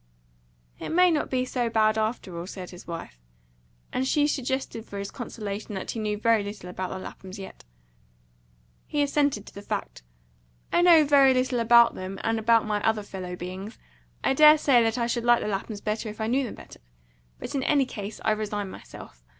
"It may not be so bad, after all," said his wife; and she suggested for his consolation that he knew very little about the Laphams yet. He assented to the fact. "I know very little about them, and about my other fellow beings. I dare say that I should like the Laphams better if I knew them better. But in any case, I resign myself.